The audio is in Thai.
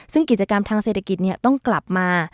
ซึ่งกิจกรรมทางเศรษฐกิจต้องกลับมา